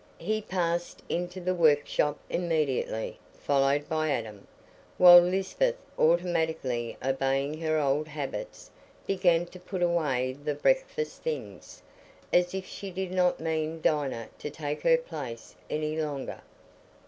He passed into the workshop immediately, followed by Adam; while Lisbeth, automatically obeying her old habits, began to put away the breakfast things, as if she did not mean Dinah to take her place any longer.